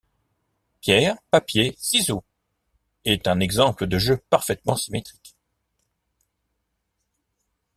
Pierre, papier, ciseau est un exemple de jeu parfaitement symétrique.